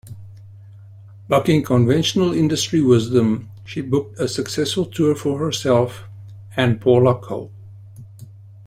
Bucking conventional industry wisdom, she booked a successful tour for herself and Paula Cole.